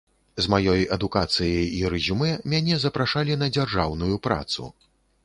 З маёй адукацыяй і рэзюмэ мяне запрашалі на дзяржаўную працу.